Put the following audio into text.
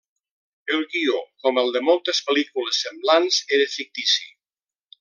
El guió, com el de moltes pel·lícules semblants, era fictici.